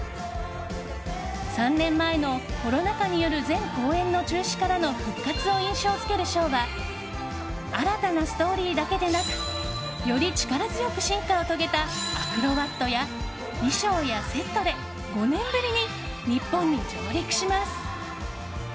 ３年前のコロナ禍による全公演の中止からの復活を印象付けるショーは新たなストーリーだけでなくより力強く進化を遂げたアクロバットや衣装やセットで５年ぶりに日本に上陸します。